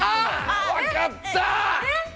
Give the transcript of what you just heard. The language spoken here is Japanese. わかった。